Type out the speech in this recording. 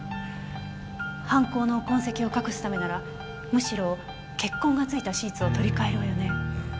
犯行の痕跡を隠すためならむしろ血痕がついたシーツを取り替えるわよね。